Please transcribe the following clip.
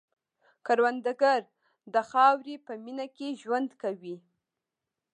کروندګر د خاورې په مینه کې ژوند کوي